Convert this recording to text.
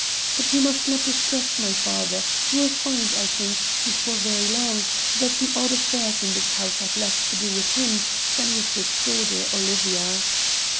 But you must not distrust my father: you will find, I think, before very long, that all the odd affairs in this house have less to do with him than with his daughter Olivia."